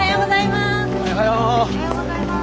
おはようございます。